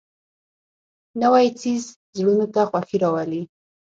نوی څېز زړونو ته خوښي راولي